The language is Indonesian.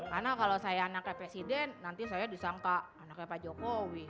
karena kalau saya anaknya presiden nanti saya disangka anaknya pak jokowi